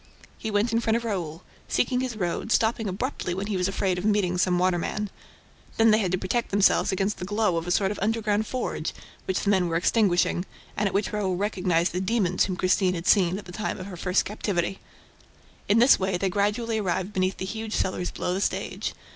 He went in front of Raoul, seeking his road, stopping abruptly when he was afraid of meeting some waterman. Then they had to protect themselves against the glow of a sort of underground forge, which the men were extinguishing, and at which Raoul recognized the demons whom Christine had seen at the time of her first captivity. In this way, they gradually arrived beneath the huge cellars below the stage.